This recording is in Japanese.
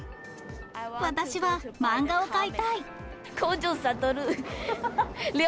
私は漫画を買いたい。